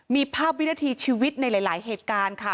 มีภาพวินาทีชีวิตในหลายเหตุการณ์ค่ะ